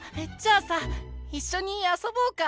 あさいっしょにあそぼうか？